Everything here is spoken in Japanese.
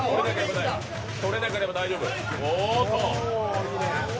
取れなければ大丈夫。